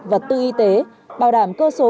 và tư y tế bảo đảm cơ số